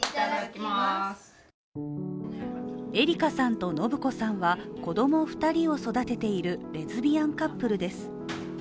エリカさんと信子さんは子供２人を育てているレズビアンカップルです。